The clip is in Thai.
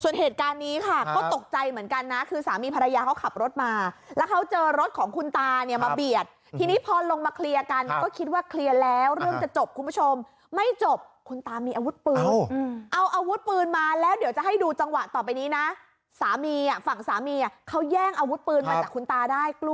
ส่วนเหตุการณ์นี้ค่ะก็ตกใจเหมือนกันนะคือสามีภรรยาเขาขับรถมาแล้วเขาเจอรถของคุณตาเนี่ยมาเบียดทีนี้พอลงมาเคลียร์กันก็คิดว่าเคลียร์แล้วเรื่องจะจบคุณผู้ชมไม่จบคุณตามีอาวุธปืนเอาอาวุธปืนมาแล้วเดี๋ยวจะให้ดูจังหวะต่อไปนี้นะสามีอ่ะฝั่งสามีเขาแย่งอาวุธปืนมาจากคุณตาได้กล้